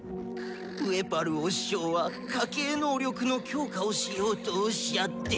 ウェパルお師匠は家系能力の強化をしようとおっしゃって。